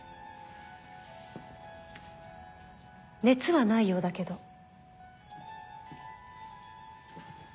熱はないようだけど。